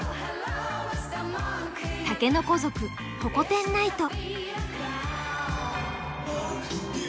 「竹の子族ホコ天ナイト」。